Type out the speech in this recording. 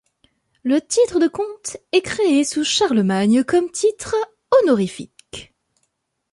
Le titre de comte est créé sous Charlemagne comme titre honorifique.